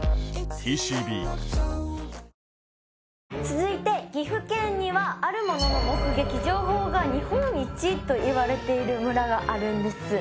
続いて岐阜県にはあるものの目撃情報が日本一といわれている村があるんです